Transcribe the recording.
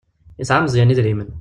Yesɛa Meẓyan idrimen.